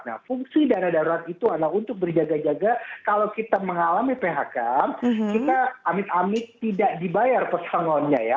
nah fungsi dana darurat itu adalah untuk berjaga jaga kalau kita mengalami phk kita amit amit tidak dibayar pesangonnya ya